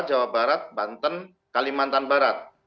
jawa barat banten kalimantan barat